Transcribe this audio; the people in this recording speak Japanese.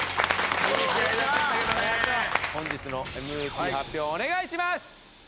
本日のＭＶＰ発表をお願いします！